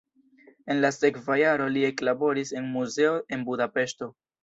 En la sekva jaro li eklaboris en muzeo en Budapeŝto.